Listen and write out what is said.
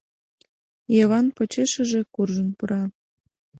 Йыван почешыже куржын пура.